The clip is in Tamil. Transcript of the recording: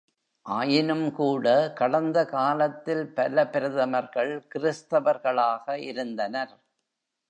ஆயினும்கூட, கடந்த காலத்தில் பல பிரதமர்கள் கிறிஸ்தவர்களாக இருந்தனர்.